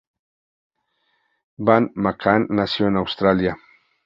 Van McCann nació en Australia.